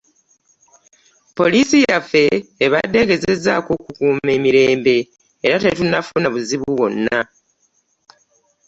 Poliisi yaffe ebadde egezezzaako okukuuma emirembe era tetunnafuna buzibu bwonna.